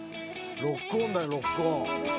ロックオンだよロックオン。